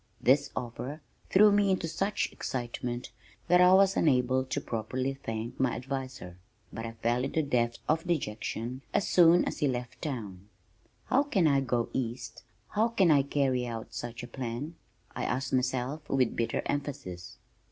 This offer threw me into such excitement that I was unable to properly thank my adviser, but I fell into depths of dejection as soon as he left town. "How can I go east? How can I carry out such a plan?" I asked myself with bitter emphasis.